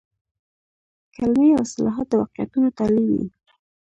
کلمې او اصطلاحات د واقعیتونو تالي وي.